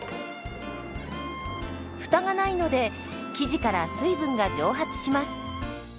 フタがないので生地から水分が蒸発します。